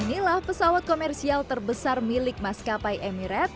inilah pesawat komersial terbesar milik maskapai emirat